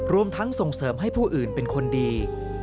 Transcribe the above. รวมทั้งส่งเสริมให้ผู้อื่นเป็นคนดี